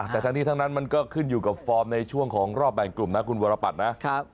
แต่ทั้งนี้ทั้งนั้นมันก็ขึ้นอยู่กับฟอร์มในช่วงของรอบแบ่งกลุ่มนะคุณวรปัตรนะ